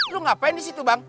lu ngapain disitu bang